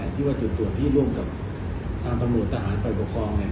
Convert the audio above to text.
ที่ว่าจุดตรวจที่ร่วมกับทางปรับบุญทหารไฟปกครอง